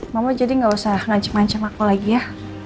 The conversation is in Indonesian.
mama jadi gak usah ngancek ngancek aku lagi ya